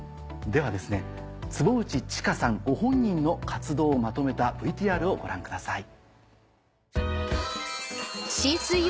ではですね坪内知佳さんご本人の活動をまとめたＶＴＲをご覧ください。